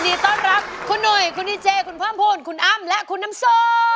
วินีย์ต้อนรับคุณหนุ่ยคุณอีเจคุณพร้อมภูนิคุณอั้มและคุณน้ำโศน